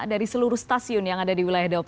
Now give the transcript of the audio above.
dari seluruh stasiun yang ada di wilayah dap satu